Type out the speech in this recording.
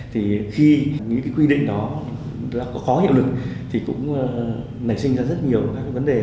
thì khi những quy định đó có hiệu lực thì cũng nảy sinh ra rất nhiều các vấn đề